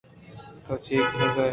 تو چے کنگ ءَ ئے۔